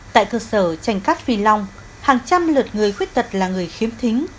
tại cơ sở tranh cát phi long hàng trăm lượt người khuyết tật là người khiếm thính